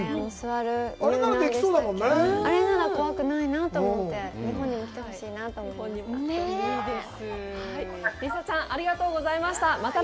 あれなら怖くないなと思って、日本にも来てほしいなと思いました。